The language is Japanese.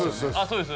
そうです